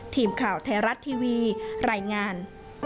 ทีมข่าวไทยรัฐทีวีรายงาน